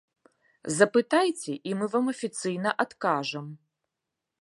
Запытайце, і мы вам афіцыйна адкажам.